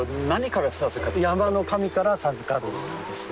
山の神から授かるんですね。